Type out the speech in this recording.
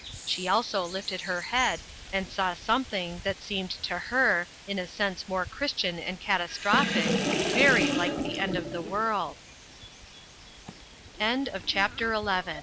She also lifted her head, and saw something that seemed to her, in a sense more Chris tian and catastrophic, very like the end of the